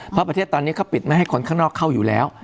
เพราะประเทศตอนนี้เขาปิดไม่ให้คนข้างนอกเข้าอยู่แล้ว